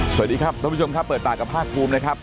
สวัสดีครับท่านผู้ชมครับเปิดปากกับภาคภูมินะครับ